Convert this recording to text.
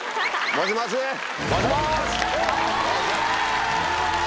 もしもし！